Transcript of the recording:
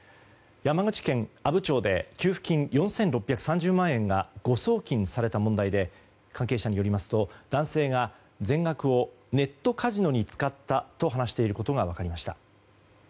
山口県阿武町で給付金４６３０万円が誤送金された問題で関係者によりますと男性が全額をネットカジノに使ったと話していることが分かりました。